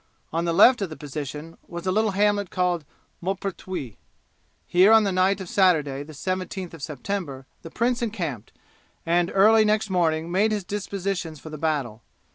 On the left of the position was a little hamlet called Maupertuis. Here on the night of Saturday the 17th of September the prince encamped, and early next morning made his dispositions for the battle.